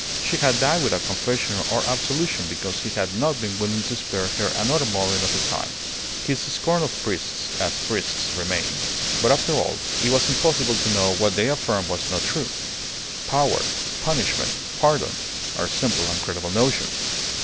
She had died without confession or absolution, because he had not been willing to spare her another moment of his time. His scorn of priests as priests remained; but after all, it was impossible to know whether what they affirmed was not true. Power, punishment, pardon, are simple and credible notions.